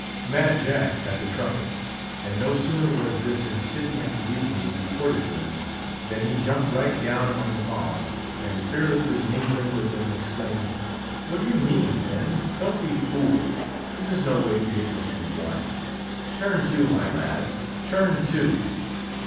Mad Jack had the trumpet; and no sooner was this incipient mutiny reported to him, than he jumped right down among the mob, and fearlessly mingling with them, exclaimed, "What do you mean, men? don't be fools! This is no way to get what you want. Turn to, my lads, turn to!